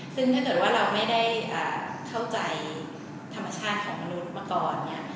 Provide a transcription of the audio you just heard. ซึ่งถ้าเกิดว่าเราไม่ได้เข้าใจธรรมชาติของมนุษย์มาก่อนเนี่ย